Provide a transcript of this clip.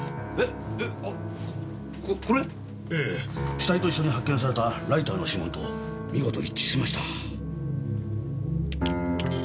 死体と一緒に発見されたライターの指紋と見事一致しました。